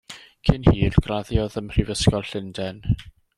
Cyn hir, graddiodd ym Mhrifysgol Llundain.